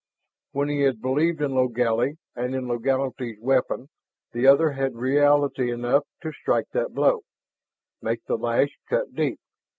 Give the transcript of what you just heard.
When he had believed in Logally and in Logally's weapon, the other had had reality enough to strike that blow, make the lash cut deep.